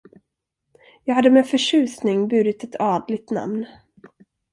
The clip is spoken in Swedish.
Jag hade med förtjusning burit ett adligt namn.